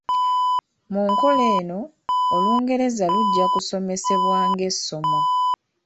Mu nkola eno, Olungereza lujja kusomesebwa ng’essomo.